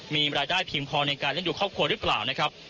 มีรายได้เพียงพอในการเล่นดูครอบครัวหรือเปล่านะครับ